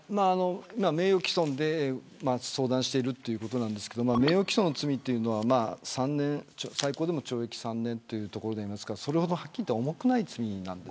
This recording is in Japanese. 名誉棄損で相談しているということですが名誉棄損の罪は最高でも懲役３年というところですからそれほど、はっきりと重くない罪なんです。